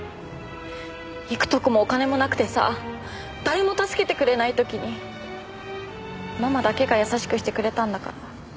行くとこもお金もなくてさ誰も助けてくれない時にママだけが優しくしてくれたんだから。